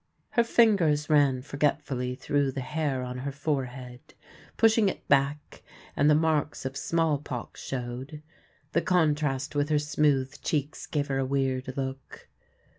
Her fingers ran forgetfully through the hair on her forehead, pushing it back, and the marks of smallpox showed. The contrast with her smooth cheeks gave her a weird look.